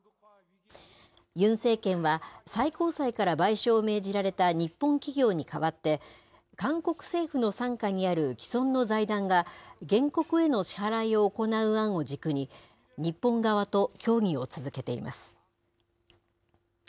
ユン政権は、最高裁から賠償を命じられた日本企業に代わって、韓国政府の傘下にある既存の財団が、原告への支払いを行う案を軸に、日本側と協議を続けています。